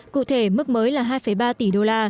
cụ thể mức mới là hai ba tỷ đô la